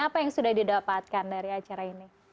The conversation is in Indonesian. apa yang sudah didapatkan dari acara ini